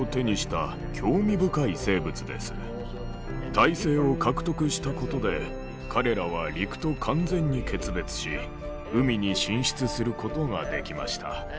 胎生を獲得したことで彼らは陸と完全に決別し海に進出することができました。